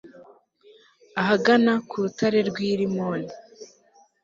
ahagana ku rutare rw'i rimoni